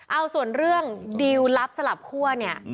เอาส่วนเรื่องดิวลลับสลับคั่วเนี่ย